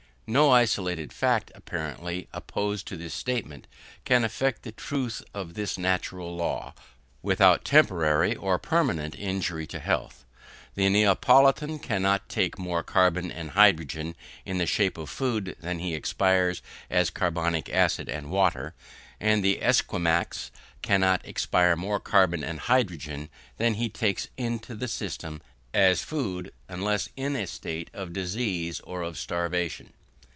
No isolated fact, apparently opposed to this statement, can affect the truth of this natural law. Without temporary or permanent injury to health, the Neapolitan cannot take more carbon and hydrogen in the shape of food than he expires as carbonic acid and water; and the Esquimaux cannot expire more carbon and hydrogen than he takes in the system as food, unless in a state of disease or of starvation.